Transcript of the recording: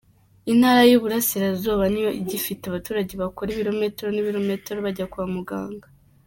Intara y’i Burasirazuba niyo igifite abaturage bakora ibirometero n’ibirometero bajya kwa muganga.